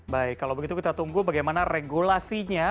baik kalau begitu kita tunggu bagaimana regulasinya